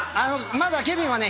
まだケビンはね